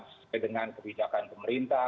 seperti dengan kebijakan pemerintah